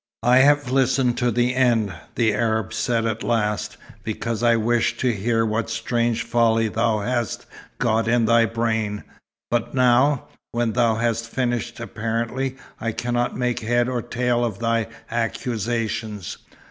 "I have listened to the end," the Arab said at last, "because I wished to hear what strange folly thou hadst got in thy brain. But now, when thou hast finished apparently, I cannot make head or tail of thy accusations.